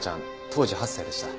当時８歳でした。